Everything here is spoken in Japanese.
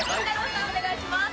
さんお願いします。